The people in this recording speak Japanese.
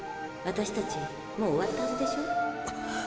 私たちもう終わったはずでしょ。